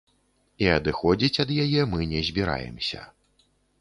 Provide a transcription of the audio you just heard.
І адыходзіць ад яе мы не збіраемся.